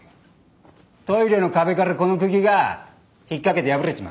トイレの壁からこのクギが引っ掛けて破れちまった。